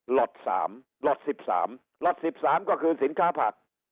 หลัก๑๓หลัก๑๓ก็คือสินค้าผัก